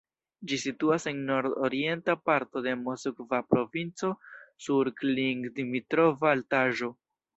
Ĝi situas en nord-orienta parto de Moskva provinco sur Klin-Dmitrova altaĵo.